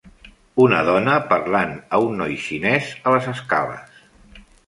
Una dona parlant a un noi xinès a les escales.